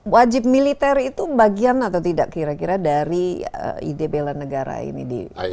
wajib militer itu bagian atau tidak kira kira dari ide bela negara ini di